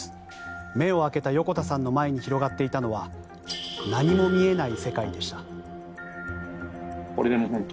目を開けた横田さんの前に広がっていたのは何も見えない世界でした。